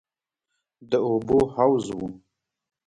د اوبو حوض و.